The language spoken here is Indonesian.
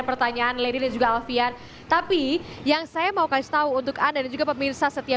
pertanyaan lady dan juga alfian tapi yang saya mau kasih tahu untuk anda dan juga pemirsa setia